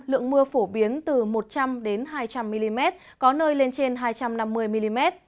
lượng mưa phổ biến từ một trăm linh hai trăm linh mm có nơi lên trên hai trăm năm mươi mm